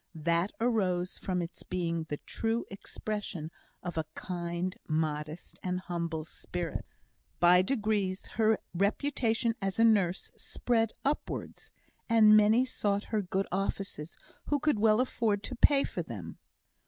That arose from its being the true expression of a kind, modest, and humble spirit. By degrees her reputation as a nurse spread upwards, and many sought her good offices who could well afford to pay for them.